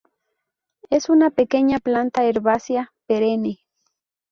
Es una pequeña planta herbácea perenne.